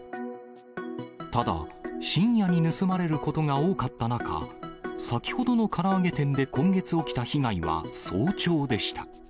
ただ、深夜に盗まれることが多かった中、先ほどのから揚げ店で今月起きた被害は早朝でした。